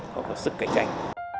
và có sức cạnh tranh